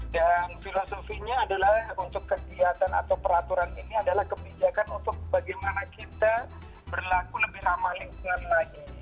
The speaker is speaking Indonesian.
dan filosofinya adalah untuk kegiatan atau peraturan ini adalah kebijakan untuk bagaimana kita berlaku lebih ramah lingkungan lagi